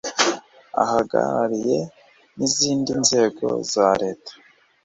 ahagarariye n izindi nzego za leta